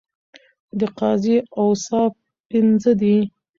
د قاضی اوصاف پنځه دي.